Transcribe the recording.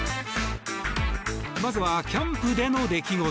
まずはキャンプでの出来事。